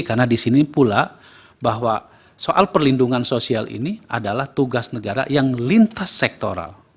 karena di sini pula bahwa soal perlindungan sosial ini adalah tugas negara yang lintas sektoral